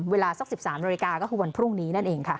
เวลาสัก๑๓นาฬิกาก็คือวันพรุ่งนี้นั่นเองค่ะ